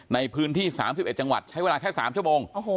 ในพื้นที่สามสิบเอ็ดจังหวัดใช้เวลาแค่สามชั่วโมงโอ้โห